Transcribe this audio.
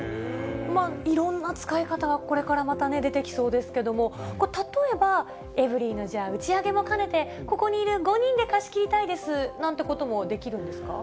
いろんな使い方がこれからまたね、出てきそうですけれども、例えば、エブリィのじゃあ、打ち上げも兼ねてここにいる５人で貸し切りたいですなんていうこともできるんですか？